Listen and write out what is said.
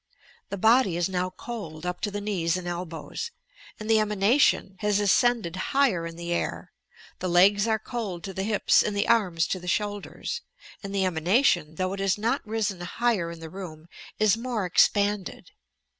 The body is now cold up to the knees and elbows, and the emanation has ascended higher in the air; the legs are cold to the hips and the arms to the shoulders, and the emanation, though it has not risen higher in the room, is more expanded.